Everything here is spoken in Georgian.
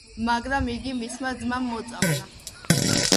მაგრამ იგი მისმა ძმამ მოწამლა.